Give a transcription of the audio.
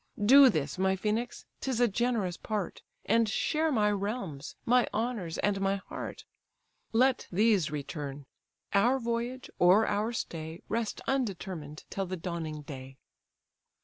Do this, my Phœnix, 'tis a generous part; And share my realms, my honours, and my heart. Let these return: our voyage, or our stay, Rest undetermined till the dawning day."